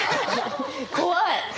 怖い！